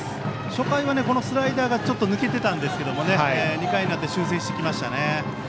初回はこのスライダーがちょっと抜けていたんですが２回になって修正してきましたね。